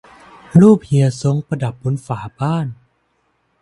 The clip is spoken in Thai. รูปเฮียซ้งประดับบนฝาบ้าน